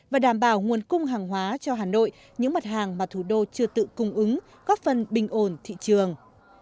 và đảm bảo nguồn cung hàng hóa cho hà nội những mặt hàng mà thủ đô chưa tự cung ứng góp phần bình ổn thị trường